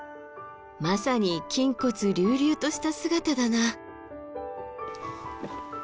まさに筋骨隆々とした姿だな。